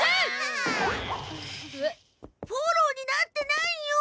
フォローになってないよ！